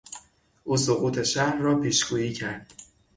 او سقوط شهر را پیشگویی کرد.